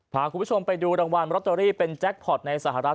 พาคุณผู้ชมไปดูรางวัลลอตเตอรี่เป็นแจ็คพอร์ตในสหรัฐ